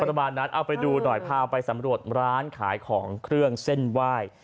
ประมาณนั้นเอาไปดูหน่อยพาไปสำรวจร้านขายของเครื่องเส้นไหว้